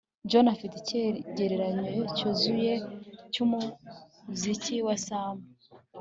John afite icyegeranyo cyuzuye cyumuziki wa Sam